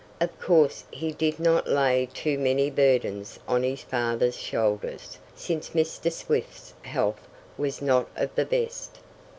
Of course he did not lay too many burdens on his father's shoulders since Mr. Swift's health was not of the best.